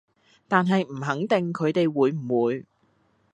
但係唔肯定佢哋會唔會